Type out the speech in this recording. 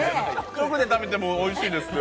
直で食べても、おいしいんですよ。